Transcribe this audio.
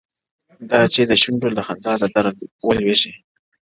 دا چي د سونډو د خـندا لـه دره ولـويــږي ـ